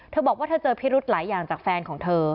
เธอบอกว่าเธอเจอพิรุธหลายอย่างจากแฟนของเธอ